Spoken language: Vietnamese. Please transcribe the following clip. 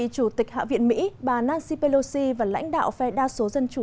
chủ tịch hạ viện mỹ bà nancy pelosi và lãnh đạo phe đa số dân chủ